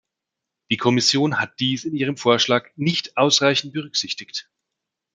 Die Kommission hat dies in ihrem Vorschlag nicht ausreichend berücksichtigt!